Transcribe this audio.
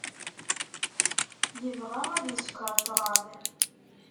Yebɣa ad isker ṭṭrad.